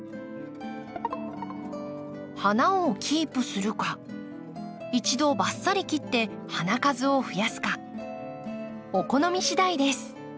花をキープするか一度バッサリ切って花数を増やすかお好みしだいです。